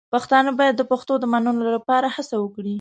پښتانه باید د پښتو د منلو لپاره هڅه وکړي.